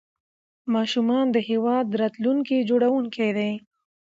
ماشومان د هیواد راتلونکي جوړونکي دي.